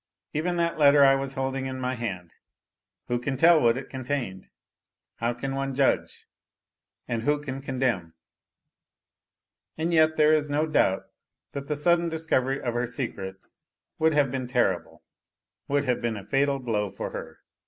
Even that letter I was holding in my hand who can tell what it contained ! How can one judge ? and who can condemn? And yet there is no doubt thai the sudden discovery of her secret would have been terrible would have been a fatal blow for her.